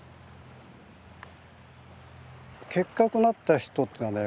結核になった人っていうのはね